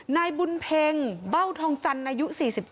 นายบุญเพ็งเบ้าทองจันทร์อายุ๔๗